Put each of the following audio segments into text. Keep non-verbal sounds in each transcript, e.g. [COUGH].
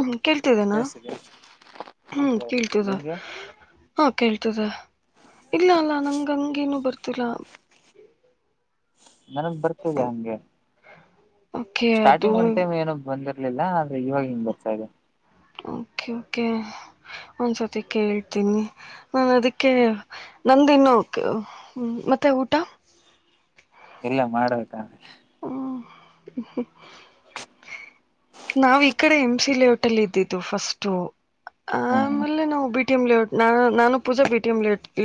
ಹ ಕೇಳ್ತಿದ್ದೇನಾ ಕೇಳಿಸ್ತಿದ್ಯಾ ಹಾ ಹ ಕೇಳಿಸ್ತಿದೆ ಕೇಳ್ತದೆ ನಿಮ್ಗೆ ಹಾ ಕೇಳ್ತದೆ ಇಲ್ಲ ಅಲ್ಲಾ ನಂಗಂಗೇನು ಬರ್ತಿಲ್ಲ ನನಗ್ ಬರ್ತಿದೆ ಹಂಗೆ ಓಕೆ ಅದು ಸ್ಟಾರ್ಟಿಂಗ್ ಒಂಡ್ತಿಮ್ ಏನ ಬಂದಿರ್ ಇರ್ಲಿಲ್ಲ ಆದ್ರೆ ಇವಾಗ ಹಿಂಗ ಬರ್ತಾ ಇದೆ ಓಕೆ ಕೆ ಒಂದ್ಸತಿ ಕೇಳ್ತೀನಿ ನಾನು ಅದಕ್ಕೆ ನಂದ್ ಇನ್ನು ಓಕೆ ಮತ್ ಊಟ ಇಲ್ಲ ಮಾಡ್ಬೇಕ್ ಅಮೇಲೆ ಹು ನಾವ್ ಈ ಕಡೆ ಎಮ್ ಸಿ ಲೇಔಟ್ ಅಲ್ಲಿ ಇದ್ದಿದ್ದು ಫಸ್ಟು ಹ್ಮ್ ಹ್ಮ್ ಆಮೇಲೆ ನಾವು ಬಿಟ್ ಟಿಔಟ್ ನ ನಾನು ಪೂಜಾ ಬಿಟಿ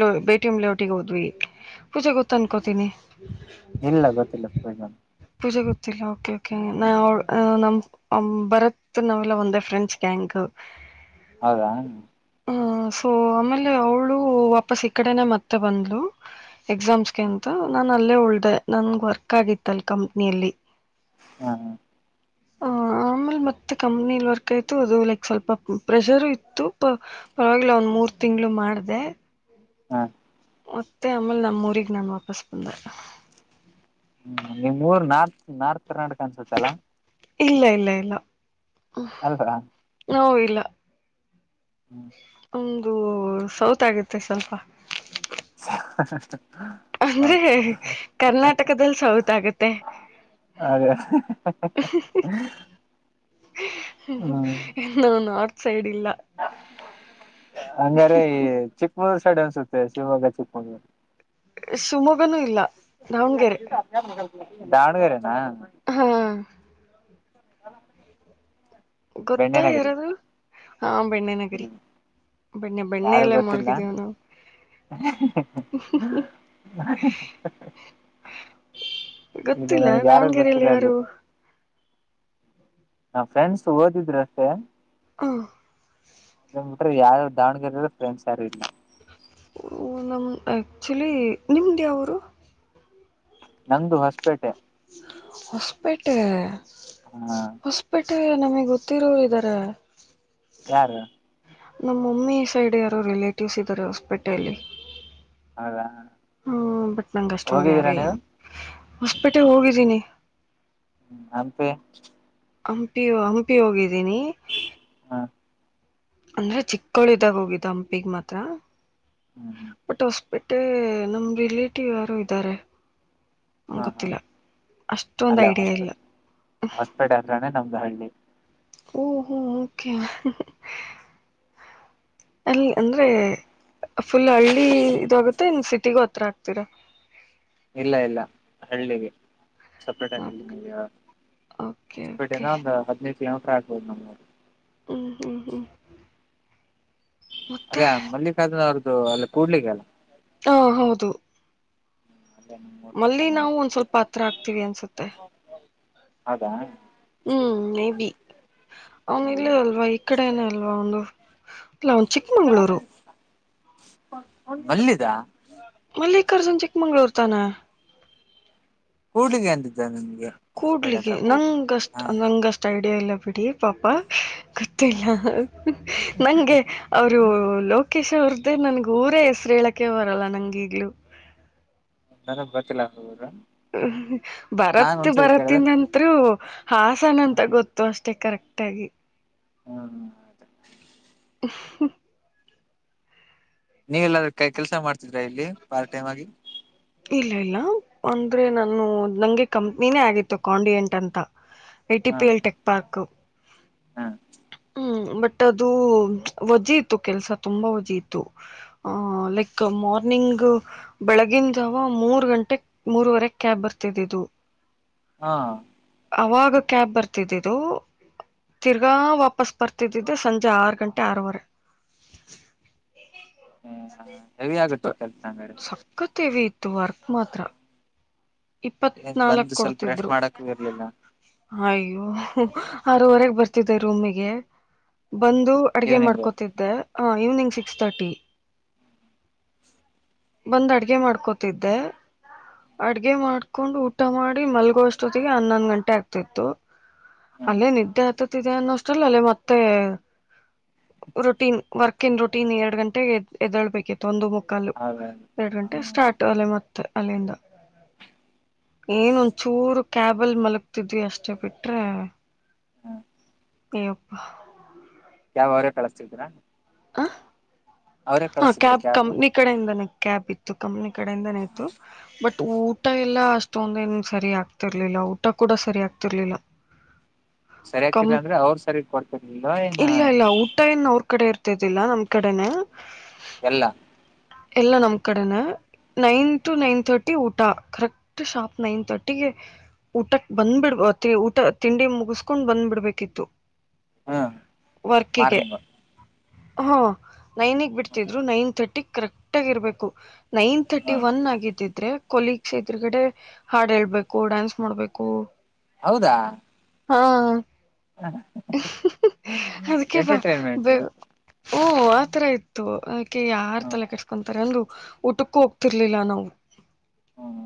ಎಔ ಬಟಿ ಎಮ್ ಲೇಔಟಿಗೆ ಹೋದ್ವಿ ಪೂಜೆ ಗೊತ್ತ ಅನ್ಕೋತೀನಿ ಇಲ್ಲ ಗೊತ್ತಿಲ್ಲ ಪೂಜೆ ಗತ್ತಲ್ಲ ಓಕೆ ಕೆ ಹ್ಮ್ ನ ಬರತ್ ನಾವೆಲ್ಲ ಒಂದೇ ಫ್ರೆಂಚ್ ಗ್ಯಾಂಗ್ ಹೌದಾ ಹ್ಮ ಸೊ ಆಮೇಲೆ ಅವ್ಳು ವಾಪಸ್ ಈ ಕಡೆನೆ ಮತ್ತೆ ಬಂದ್ಲು ಎಕ್ಸಾಮ್ಸ್ಗೆಂತು ನಾನ ಅಲ್ಲೇ ಉಳ್ದ ನನ್ಗೆ ವರ್ಕ್ ಆಗಿತ್ತ ಅಲ್ ಕಂಪ್ನಿಯಲ್ಲಿ ಹಾ ಹ ನಲ್ ಮ ಕಂಪ್ನಿ ವರ್ಕ್ ಆಯತು ಅದು ಲೈಕ್ ಸ್ವಲ್ಪ ಪ್ರೆಷರ್ ಇತ್ತು ಪರವಾಗಿಲ್ಲ ಒಂದ ಮೂರು ಷ್ಟ ತಿಂಗಳು ಮಾಡ್ದ ಹಾ ಮತ್ತೆ ಆಮೇಲೆ ನಮ್ಮ ಊಗ್ ನಾನ್ ವಾಪಸ್ ಬಂದೆ ಹ್ಮ್ ನಿಮ್ ಊರ್ ನಾರ್ತ್ ನಾರ್ತ್ ಕರ್ನಾಟಕ ಅನ್ಸತ್ತ ಅಲ್ಲ ಇಲ್ಲ ಇಲ್ಲ ಇಲ್ಲ ಅಲ್ವಾ ಹ ಇಲ್ಲ ಹ್ಮ್ ಅದು ಸೌತ್ ಆಗುತ್ತೆ ಸ್ವಲ್ಪ [UNINTELLIGIBLE] ಅಂದ್ರೆ ಕರ್ನಾಟಕದಲ್ಲಿ ಸೌತ್ ಆಗತ್ತೆ ಅದೇ ಹ್ಮ್ ಎನ್ನ ನ ಹಂಗಾರೆ ಚಿಕ್ಕಮೂರು ಡೆ ಅನ್ಸುತ್ತೆ ಶಿವಾಗ ಚಿಕ್ಕಕೊಂಡ ಶಿವಮೊಗ್ಗನೂ ಇಲ್ಲ ದಾವಣ್ಗೆರೆ ದಾವಣಗೆರೆನಾ [UNINTELLIGIBLE] ಬೆಣ್ಣೆ ಗೊತ್ತಾ ನಗರಿ ಯಾರಾದೂ ಹಾ ಬೆಣ್ಣೆ ನಗರಿ ಇಲ್ಲಿ ಬೆಣ್ಣೆ ಬೆಣ್ಣೆ ಯಾರು ಎಲ್ಲ ಗೊತ್ತಿಲ್ಲ ಮೊಳ್ಗಿದ್ದೇವ ನಾವು [UNINTELLIGIBLE] ಇಲ್ಲ ಗೊತ್ತಿಲ್ಲ ನನ್ಗೆ ಯಾರಾಗು ದಾವಣಗೆರೆಯಲ್ಲಿ ಗೊತ್ತಿಲ್ಲ ಅಲ್ಲಿ ಯಾರು ಹಾ ಫ್ರೆನ್ಸ್ ಓದಿದ್ರು ಅಷ್ಟೇ ಹಂ ಅಟ್ರೆ ಯಾರು ದಾವಣಗೆರೆ್ರ ಫ್ರೆಂಡ್ಸ್ ಯಾರು ಇಲ್ಲ ನಮ್ಮ ಆ್ಯಕ್ಚುಲಿ ನಿಮ್ದ ಯಾವರು ನಂದು ಹೊಸಪೇಟೆ ಹೊಸಪೇಟೆ ಹ ಹೊಸ್ಪೇಟೆ ನಮಗ್ ಗೊತ್ತಿರೋರು ಇದಾರೆ ಯಾರ ನಮ್ಮಮ್ಮಿ ಸೈಡ್ ಯಾರೋ ರಿಲೇಟಿವ್ಸ್ ಇದ್ದಾರೆ ಹಾಸ್ಪಿಟಲ್ ಹೌದಾ ಹ್ಮ್ ಬಟ್ ನಂಗ ಅಷ್ಟೊಂದು ಹೋಗಿದ್ದೀರಾ ಯಾರು ನೀವು ಏನ್ ಹೊಸಪೇಟೆ ಹೋಗಿದ್ದೀನಿ ಅಂತ ಹಂಪಿ ಹಂಪಿ ಹೋಗಿದ್ದೀನಿ ಹ ಅಂದ್ರೆ ಚಿಕ್ಕಳಿದಾಗ ಹೋಗಿದ್ದ ಹಂಪಿಗೆ ಮಾತ್ರ ಹ್ಮ್ ಹ್ಮ್ ಬಟ್ ಅಷ್ಟ ಬಟ್ಟೆ ನಮ ರಿಲೇಟಿವ್ ಯಾರು ಇದ್ದಾರೆ ಹಾ ಹಾ ಗೊತ್ತಿಲ್ಲ ಅಷ್ಟೊಂದು ಅಲ್ಲೇ ಐಡಿಯಾ ಹಾಸ್ಪಿ ಇಲ್ಲ ಹಾಸ್ಪಿಟ್ ಹತ್ರೇ ನಮ್ದು ಹಳ್ಳಿ [INAUDIBLE] ಓ ಹೋ ಓಕೆ ಅಲ್ಲಿ ಅಂದ್ರೆ ಫುಲ್ ಹಳ್ಳಿ ಇದಾಗುತ್ತೆ ಇನ್ ಸಿಟಿಗ ಹತ್ರ ಆಗ್ತೀರ ಇಲ್ಲ ಇಲ್ಲ ಹಳ್ಳಿಗೆ ಸಪ್ರೇಟ್ ಓಕೆ ಓಕೆ ಓಕೆ [UNINTELLIGIBLE] ಒಂದ್ ಹದ್ನೈದು ಕಿಲೋಮೀಟರ್ ಆಗ್ಬೋದು ನಮ್ದು ಹ್ಮ್ ಹ್ಮ್ ಹ್ಮ್ ಅರಿ ಮಲ್ಲಿಕಾರ್ಜುನ ಅವ್ರದ್ದು ಅಲ್ಲ ಕೂಡ್ಲಿಗೆ ಹಾ ಹೌದು ಅಲ್ಲೇ ನಿಮ್ಮೂರ್ ಮಲ್ಲಿ ಪಕ್ಕನೇ ನಾವು ಒಂದ್ ಸ್ವಲ್ಪ ಹತ್ರ ಹಕ್ತೀವಿ ಅನ್ಸುತ್ತೆ ಹೌದಾ ಹ್ಮ್ ಮೇಬಿ ಅವನು ಇಲ್ಲೇ ಅಲ್ವಾ ಈ ಕಡೆನೆ ಅಲ್ವಾ ಅವ್ನ್ದು ಇಲ್ಲ ಅವನ್ ಚಿಕ್ಕಮಂಗ್ಗಳೂರು ಅಲ್ಲಿದ ಮಲ್ಲಿಕರ್ಜುನ್ ಚಿಕ್ಕಮಂಗ್ಳೂರ್ ತಾನೆ ಕೂಡ್ಲಿಗೆ ಅಂತಿದ್ದ ನಮಗೆ ಕೂಡ್ಲಿಗೆ ನಂಗಷ್ಟ ನಂಗಷ್ಟ್ ಐಡಿಯಾ ಇಲ್ಲ ಬಿಡಿ ಪಾಪ ಗೊತ್ತಿಲ್ಲ ನಂಗೆ ಅವರು ಲೋಕೇಶ್ ಅವ್ರ ಮತ್ತೆ ನನ್ಗ ಊರ ಹೆಸರು ಹೇಳಕೆ ಬರಲ್ಲ ನಂಗೀಗ್ಲುೂ ನನಗೆ ಬತಿಲ ಬರತ್ ಕೇಳ್ದೆ ಬರತ್ತಿನಂತೂ ಹಾಸನ ಅಂತ ಗೊತ್ತು ಅಷ್ಟೇ ಕರೆಕ್ಟ್ ಆಗಿ ಹ್ಮ [UNINTELLIGIBLE] ನೀವೆಲ್ಲಾದ್ರೂ ಕೈ ಕೆಲ್ಸ ಮಾಡ್ತಿದ್ರಾ ಇಲ್ಲಿ ಪಾರ್ಟ್ ಟೈಮ್ ಆಗಿ ಇಲ್ಲ ಇಲ್ಲ ಅಂದ್ರೆ ನಾನು ನಂಗೆ ಕಂಪ್ನಿನೇ ಆಗಿತ್ತು ಕಾಂಡಿಯೆಂಟ್ ಅಂತ ಐಟಿ ಪಿಎಲ್ ಟೆಕ್ ಪಾರ್ಕು ಹಾ ಹ್ಮ ಬಟ್ ಅದು ವಜೆ ಇತ್ತು ಕೆಲಸ ತುಂಬಾ ವಜೆ ಇತ್ತು ಲೈಕ್ ಮಾರ್ನಿಂಗ್ ಬೆಳಗಿಂದ ಜಾವ ಮೂರು ಗಂಟೆ ಮೂರವರೆ ಕ್ಯಾಬ್ ಬರ್ತಿದಿದ್ದು ಹಾ ಅವಾಗ ಕ್ಯಾಬ್ ಬರ್ತಿದ್ದಿದ್ದು ತಿರ್ಗಾ ವಾಪಸ್ ಬರ್ತಿದಿದ್ದು ಸಂಜೆ ಆರು ಗಂಟೆ ಆರು ವರೆ ಹೆವಿ ಆಗುತ್ತೆ ಕೆಲ್ಸ ಸಕ್ಕತ್ ಹೆವಿ ಇತ್ತು ವರ್ಕ್ ಮಾತ್ರ ಇಪ್ಪತ್ ಏನ್ ನಾಲ್ಕ್ ಬಂದು ಸ್ವಲ್ಪ ರೆಸ್ಟ್ ಕೊಡ್ತಿದ್ರು ಮಾಡಕ್ಕೂ ಇರ್ಲಿಲ್ಲ ಅಯ್ಯೋ ಆರುವರೆಗೆ ಬರ್ತಿದ್ದೆ ರೂಮಿಗೆ ಬಂದು ಅಡುಗೆ ಈವ್ನಿಂಗು ಮಾಡ್ಕೊತಿದ್ದೆ ಹಾಂ ಈವ್ನಿಂಗ್ ಸಿಕ್ಸ್ ಥರ್ಟಿ ಬಂದ್ ಅಡ್ಗೆ ಮಾಡ್ಕೋತಿದ್ದೆ ಅಡ್ಗೆ ಗೆ ಮಾಡ್ಕೊಂಡು ಊಟ ಮಾಡಿ ಮಲ್ಗೋಷ್ಟೊತ್ತಿಗೆ ಹನ್ನೊಂದು ಗಂಟೆ ಆಗ್ತಿತ್ತು ಅಲ್ಲೇ ನಿದ್ದೆ ಅತ್ತಿದೆ ಅನ್ನೋ ಅಷ್ಟರಲ್ಲಿ ಅಲ್ಲೇ ಮತ್ತೆ ರೊಟೀನ್ ವರ್ಕ್ ಇನ್ ರೊಟೀನ್ ಎರಡ್ ಗಂಟೆಗೆ ಎದಳ್ಬೇಕಿತ್ತು ಒಂದು ಮು ಕಾಲ್ ಹೌದೌದು ಎರಡ್ ಗಂಟೆ ಸ್ಟಾರ್ಟ್ ಅಲ್ಲೆ ಮತ್ತೆ ಅಲ್ಲಿಂದ ಏನೊಂದ ಚೂರು ಕ್ಯಾಬಲ್ ಮಲಗ್ತಿದ್ವಿ ಅಷ್ಟೇ ಬಿಟ್ರೆ ಅಯ್ಯಪ್ಪ [UNINTELLIGIBLE] ಕಳಿಸ್ತಿದ್ರ ಹ ಅವರೇ ಹ ಕಳಿಸ್ತಿದ್ರ ಕ್ಯಾಬ್ ಕಂಪ್ನಿ ಕಡೆಯಿಂದನೆ ಕ್ಯಾಬ್ ಇತ್ತು ಕಂಪ್ನಿ ಕಡೆಯಿಂದನೆ ಇತು ಬಟ್ ಊಟ ಎಲ್ಲ ಅಷ್ಟೊಂದ ಏನ್ ಸರಿ ಆಗ್ತಿರ್ಲಿಲ್ಲ ಊಟ ಕೂಡ ಸರಿ ಆಗ್ತಿರ್ಲಿಲ್ಲ ಸರಿ ಆಗ್ತಿಲ್ಲ ಕಂ ಅಂದ್ರೆ ಅವ್ರ ಸರಿಯಾಗ ಕೊಡ್ತಿರ್ಲಿಲ್ಲ ಏನ ಇಲ್ಲ ಇಲ್ಲ ಊಟ ಏನ್ ಅವ್ರ ಕಡೆ ಇರ್ತಿದ್ದಿಲ್ಲ ನಮ್ ಕಡೆನೆ ಎಲ್ಲಾ ಎಲ್ಲ ನಮ್ ಕಡೆನೆ ನೈನ್ ಟು ನೈನ್ ತರ್ಟಿ ಊಟ ಕರೆಕ್ಟ್ ಶಾಪ್ ನೈನ್ ತರ್ಟಿಗೆ ಊಟಕ್ ಬಂದ್ಬಿಡ್ಬ ಊಟ ತಿಂಡಿ ಮುಗಸ್ಕೊಂಡ್ ಬಂದ್ಬಿಡ್ಬೇಕಿತ್ತು ಹ್ಮ್ ವರ್ಕಿಗೆ ಮಾರ್ನಿಂಗ್ ಹಾ ನೈನ್ಗ್ ಬಿಡ್ತಿದ್ರು ನೈನ್ ತರ್ಟಿ ಕರೆಕ್ಟ್ ಆಗ ಇರ್ಬೇಕು ನೈನ್ ತರ್ಟಿ ಒನ್ ಆಗಿದಿದ್ರೆ ಕೊಲೀಗ್ಸ್ ಇದರುಗಡೆ ಹಾಡು ಹೇಳ್ಬೇಕು ಡಾನ್ಸ್ ಮಾಡ್ಬೇಕು ಹೌದಾ ಹಾ ಅದಕ್ಕೆ ಎಂಟರ್ಟೈನ್ಮೆಂಟ್ ಬ ಓ ಆತರ ಇತ್ತು ಕೆ ಯಾರ್ ಹ್ಮ್ ತಲೆ ಕೆಟ್ಸ್ಕೊಂತಾರೆ ಅಂದ ಊಟಕ್ಕೂ ಹೋಗ್ತಿರ್ಲಿಲ್ಲ ನಾವು ಹ್ಮ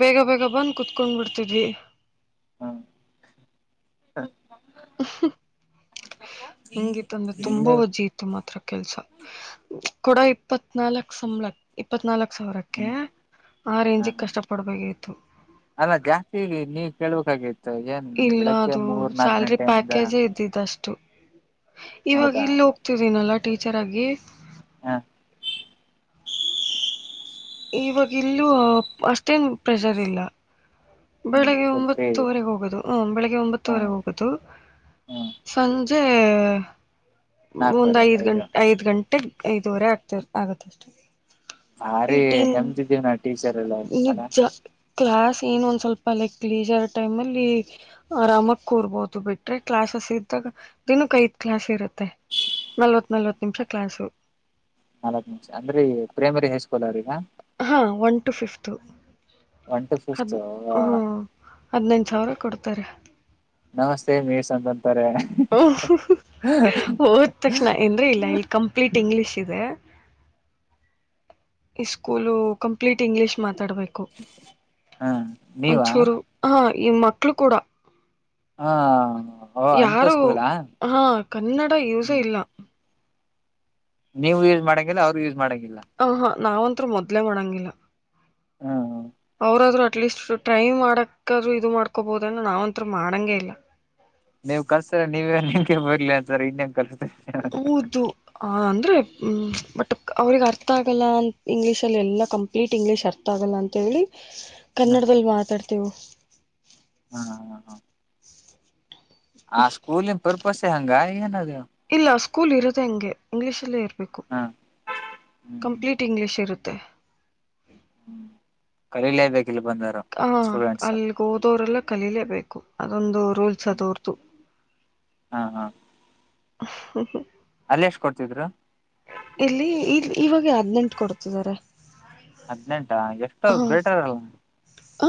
ಬೇಗ ಬೇಗ ಬಂದು್ ಕುೂತ್ಕೊಂಡ್ ಬಿಡ್ತಿದ್ವಿ ಹ್ಮ ಹ ಹಂಗಿತ್ತಂದ್ರೆ ತುಂಬಾ ಹ್ಮ್ ವಜ್ಜಿ ಇತ್ತು ಮಾತ್ರ ಕೆಲ್ಸ ಕೂಡ ಇಪ್ಪತ್ನಾಲ್ಕಕ್ ಸಂಬಳ ಇಪ್ಪತ್ನಾಲ್ಕು ಸಾವಿರಕ್ಕೆ ಹ್ಮ್ ಆ ರೇಂಜಿಗೆ ಹ್ಮ್ ಕಷ್ಟಪಡ್ಬೇಕಾಗಿತ್ತು ಅಲ್ಲ ಜಾಸ್ತಿ ಇದವಿ ನೀವ್ ಕೇಳ್ಬೇಕಾಗೇತಿ ಮ ಏನ್ ಇಲ್ಲ ಬೆಳಗ್ಗೆ ಅದು ಮೂರ್ ನಾಕ ಸ್ಯಾಲ್ರಿ ಗಂಟೆಯಿಂದ ಪ್ಯಾಕೇಜೇ ಇದ್ದಿದ್ದಷ್ಟು ಇವಾಗ ಹೌದಾ ಇಲ್ಲಿ ಹೋಗ್ತಿದ್ದನಲ್ಲ ಟೀಚರ್ ಆಗಿ ಹಾಂ ಇವಾಗ ಇಲ್ಲೂ ಅಷ್ಟೇನ್ ಪ್ರೆಷರ್ ಇಲ್ಲ ಹ್ಮ್ ಬೆಳಿಗ್ಗೆ ಫುಲ್ ಫ್ರೀ ಇದೆಯಾ ಒಂಬತ್ತುವರೆ ಹೋಗದು ಹ ಬೆಳಿಗ್ಗೆ ಹ ಒಂಬತ್ತುವರೆ ಹೋಗದು ಹ್ಮ್ ಸಂಜೆ ಒಂದು ಐದು ಗಂಟೆ ಐದು ಗಂಟೆಗೆ ಐದುವರೆ ಆಗ್ತರ್ ಆಗತ್ತ ಅಷ್ಟೆ ಹ ಈ ರೀ ಟೀನ್ ನೆಮ್ದಿದ್ದೀವ್ ನಾ ಟೀಚರ್ ಎಲ್ಲ ಅಲ ನಿಜ ಕ್ಲಾಸ್ ಏನ್ ಸ್ವಲ್ಪ ಕಿಲ್ಸ್ರ ಟೈಮ್ ಅಲ್ಲಿ ಆರಾಮಕ್ ಕೂರ್ಬೋದು ಬಿಟ್ರೆ ಕ್ಲಾಸಸ್ ಇದ್ದಾಗ ದಿನಕ್ಕೆ ಐದ ಕ್ಲಾಸ್ ಇರುತ್ತೆ ನಲ್ವತ್ ನಲ್ವತ್ ನಿಮಿಷ ಕ್ಲಾಸು ನಾಲ್ಕ ನಿಮಿಷ ಅಂದ್ರೆ ಪ್ರೈಮರಿ ಹೆಸ್ ಹಾ one two fifth one two fifth ಹದ್ ಹ್ಮ ಹದನೈದು ಸಾವಿರ ಕೊಡ್ತಾರೆ ನಮಸ್ತೆ ಮೇಸ ಅಂತೇ ಓ ಹೋದ ತಕ್ಷಣ ಎಂದ್ರೆ ಇಲ್ಲ ಇಲ್ಲಿ ಕಂಪ್ಲೀಟ್ ಇಂಗ್ಲಿಷ್ ಇದೇ ಸ್ಕೂಲು ಕಂಪ್ಲೀಟ್ ಇಂಗ್ಲಿಷ್ ಮಾತಾಡ್ಬೇಕು ಹ ನೀವಾ ಒಂಚೂರು ಹಾ ಈ ಮಕ್ಳು ಕೂಡ ಹಾ ಯಾರು ಹಾ ಕನ್ನಡ ಯೂಸೇ ಹ್ಮ್ ಇಲ್ಲ ನೀವು ಯೂಸ್ ಮಾಡಂಗಿಲ್ಲ ಅವ್ರು ಯೂಸ್ ಮಾಡಂಗಿಲ್ಲ ಹ ಹಾ ನಾವಂತ ಮೊದ್ಲೆೇ ಮಾಡಂಗಿಲ್ಲ ಹ್ಮ್ ಅವ್ರಾದ್ರೂ ಅಟ್ಲೀಸ್ಟ್ ಟೈ ಮಾಡಕಾದ್ರರು ಇದು ಮಾಡ್ಕೊಬಹದಂದ್ರ ನಾವ್ಂಂತ ಮಾಡಂಗಗೆ ಇಲ್ಲ ನೀವ್ ಕಲ್ಸರ ನೀವೇ ನಿಗೆ ಬರ್ಲಿ ಅಂತರ ಇನ್ನೇನ್ ಕಲ್ಸ ಹೌದು ಅಂದರೆ ಬಟ್ ಅವ್ರಿಗೆ ಅರ್ಥ ಆಗಲ್ಲ ಅಂತ ಇಂಗ್ಲೀಷಲ್ಲಿ ಎಲ್ಲ ಕಂಪ್ಲೀಟ್ ಇಂಗ್ಲೀಷ್ ಅರ್ಥ ಆಗಲ್ಲ ಅಂತ ಹೇಳಿ ಹ್ಮ್ ಕನ್ನಡದಲ್ಲಿ ಮಾತಾಡ್ತೇವು ಹಾ ಹಾ ಹಾ ಆ ಸ್ಕೂಲಿನ ಪರ್ಪಸ್ ಹಂಗ ಏನ ಅದು ಇಲ್ಲ ಸ್ಕೂಲ್ ಇರದೆೆ ಹಂಗೆ ಇಂಗ್ಲೀಷ್ ಅಲ್ಲೇ ಇರಬೇಕು ಹ್ಮ್ ಹ್ಮ್ ಕಂಪ್ಲೀಟ್ ಇಂಗ್ಲಿಷ್ ಇರುತ್ತೆ ತ್ತ ಕರಿಲೇಬೇಕ ಹ ಅಲ್ಲಿಗೆ ಹೋದೋರೆಲ್ಲ ಕಲೀಲೇಬೇಕು. ಅದೊಂದು, ರೂಲ್ಸ ಅದ್ರದು. ಹಾ ಹಾ [INAUDIBLE] ಅಲ್ಲಿ ಎಷ್ಟ ಕೊಡ್ತಿದ್ರ. ಇಲ್ಲಿ ಇವಾಗ ಹದ್ನೆೆಂಟು ಕೊಡ್ತಿದ್ದಾರೆ. ಹದ್ನೆಂಟ ಎಷ್ಟು ಬೇಟಾರಲ್ಲ, ಆ,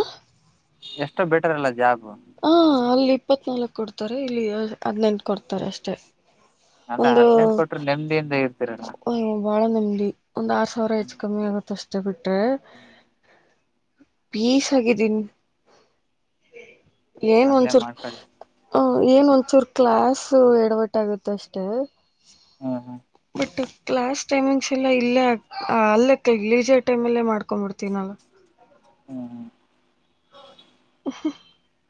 ಎಷ್ಟೋ ಬೇಟರ್ ಅಲ್ಲ ಜಾಬ್, ಹಾ ಅಲ್ಲಿ ಇಪ್ಪತ್ನಾಲ್ಕು ಕೊಡ್ತಾರೆ, ಇಲ್ಲಿ ಹದ್ನೆಂಟು ಕೊಡ್ತಾರೆ, ಅಷ್ಟೆ, ಅಲ್ಲ ಒಂದು ಹದ್ನೆಂಟು ಕೊಟ್ರೆ ನೆಮ್ಮದಿಯಿಂದ ಇರ್ತಿರಲ್ಲ ಬಾಳ ನಮ ಒಂದ್ ಆರು ಸಾವಿರ ಹ್ಮ್ ಹೆಚ್ಚು ಕಮ್ಮಿ ಆಗುತ್ತ ಅಷ್ಟೇ, ಬಿಟ್ರೆ, ಹ್ಮ್ ಪೀಸ್ ಹಾಗಿದೀನಿ. ಏನ್ ಅಲ್ಲೇ ಒಂದಚೂರ್ ಮಾಡ್ಕೊಳ್ಳಿ ಹ. ಏನ್ ಒಂಚೂರು ಕ್ಲಾಸ್ ಎಡವಟ್ಟ ಆಗತ್ತ ಅಷ್ಟೇ, ಹ್ಮ್ ಹ್ಮ್. ಕ್ಲಾಸ್ ಟೈಮಿಂಗ್ಸ್ ಎಲ್ಲ ಇಲ್ಲೇ ಅಲ್ಲೇ [UNINTELLIGIBLE] ಟೈಮ್ ಅಲ್ಲೇ ಮಾಡ್ಕೊಂಡ್ ಬಿಡ್ತೀನಲ್ಲ. ಹ್ಮ, ಹ್ಮ್ [INAUDIBLE]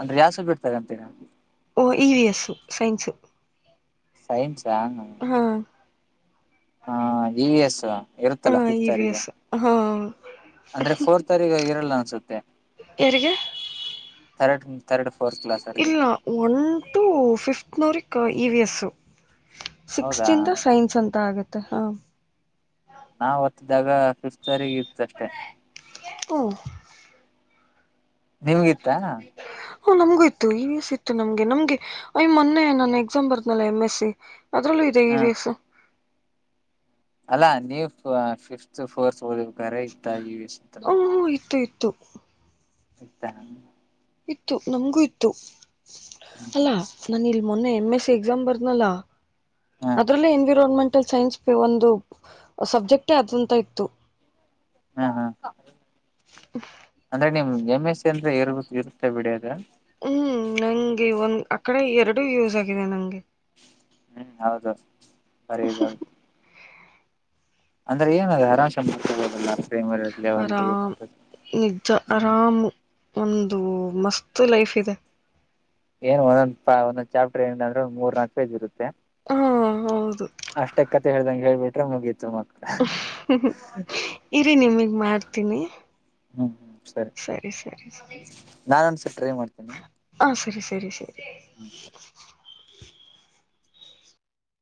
ಅಂದ್ರೆ ಯಾ ಸಬ್ಜೆಕ್ಟ್ ತಗತಿರಾ, ಓ E V S science science ಹ, ಹಾ ಹಾ ಇ ವಿ ಎಸ್ ಹಾ ಇರುತ್ತಲ್ಲ ಇ ಫಿಫ್ತ್ ವಿ ಅವ್ರಿಗೆ, ಎಸ್ ಹಾ ಅಂದ್ರೆ ಫೋರ್ತ್ವತರಿಗೆ ಇರಲ್ಲ ಅನ್ಸುತ್ತೆ. ಯಾರಿಗೆ ಥರ್ಡ್ ಥರ್ಡ್ ಫೋರ್ತ್ ಕ್ಲಾಸ್ ಅವರಿಗೆ ಇಲ್ಲ ಒನ್ ಟು ಫಿಫ್ತ್ ನೂರಿಕ್ ಇ ವಿ ಎಸ್, ಸಿಕ್ಸ್ತ್ ಹೌದಾ ಇಂದ ಸೈನ್ಸ್ ಅಂತ ಆಗತ್ತೆ ಹಾ, ನಾವ ಹೊತ್ತಿದಾಗ ಫಿಫ್ತ್ರಿಗೆ ಇತ್ತು ಅಷ್ಟೆ ಹ್ಮ್. ನಿಮಿಗಿತ್ತಾ, ಹ್ಮ್ ನಮ್ಗೂ ಇತ್ತು, ಇ ವಿ ಎಸ್ ಇತ್ತು, ನಮ್ಗೆ ನಮ್ಗೆ ಅಯ್ ಮೊನ್ನೆ ನಾನ್ ಎಕ್ಸಾಮ್ ಬರ್ದ್ನಲ ಎಮ್ ಎಸ್ ಸಿ, ಅದ್ರಲ್ಲೂ ಇದೆ ಈ ಹ ವಿ ಯಸ್, ಅಲ್ಲಾ ನೀವು ಫಿಫ್ತ್ ಫೋರ್ತ್ ಓದ್ಬೇಕಾರೆ ಇತ್ತಾ ಇವಿ ಓ ಇತ್ತು, ಇತ್ತು ಇತ್ತ, ಇತ್ತು ನಮ್ಗೂ ಇತ್ತು, ಅಲ್ಲಾ ನಾನ ಇಲ್ ಮೊನ್ನೆ ಎಮ್ ಎಸ್ ಸಿ ಎಕ್ಸಾಮ್ ಹ ಬರ್ದನ್ನಲ್ ಎನ್ವಿರೋಲ್ಮೆಂಟ್ ಟಲ್ ಸೈನ್ಸ್ ಒಂದು ಸಬ್ಜೆಕ್ಟೇ ಆದಂತ ಇತ್ತು. ಹಾ ಹಾ ಅಂದ್ರೆ ನಿಮ್ ಎಮ್ ಎಸ್ ಸಿ ಅಂದ್ರೆ ಇರ ಇರುತ್ತೆ ಬಿಡಿ ಅದು. ಹ್ಮ್ ನಂಗೆ ಒಂದ ಆಕಡೆ ಎರಡು ಯೂಸ್ ಆಗಿದೆ ನಂಗೆ, ಹ್ಮ್ ಹೌದು ಸರಿ [UNINTELLIGIBLE] ಅಂದ್ರೆ ಏನ ಅ ಆರಾಮ್ ಸೇ ಪ್ರೇಮ ಲೆಲ್ ಆರಾಮ್ [UNINTELLIGIBLE] ನಿಜ ಆರಾಮ್ ಒಂದು ಮಸ್ತ್ ಲೈಫ್ ಇದೆ. ಏನ್ ಒಂದ್ ಒಂದೊಂದ್ ಚಾಪ್ಟರ್ ಏನ ಅಂದ್ರೆ ಮೂರ್ ನಾಕ ಪೇಜ ಇರುತ್ತೆ, ಹಾ ಹೌದು ಅಷ್ಟೇ ಕತೆ ಹೇಳ್ದಂಗೆ ಹೇಳ್ಬಿಟ್ರೆ ಮುಗೀತು ಮ ಇರಿ ನಿಮಗ್ ಮಾಡ್ತೀನಿ. ಹ್ಮ್ ಹ್ಮ್ ಸರಿ, ಸರಿ, ನಾನೊಂದ್ಸರಿ ಟ್ರೈ ಮಾಡ್ತೀನಿ ಹ ಸರಿ, ಸರಿ, ಸರಿ ಹ್ಮ [INAUDIBLE]